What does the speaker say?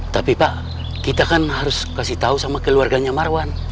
tapi pak kita kan harus kasih tahu sama keluarganya marwan